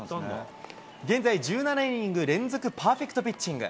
現在１７イニング連続パーフェクトピッチング。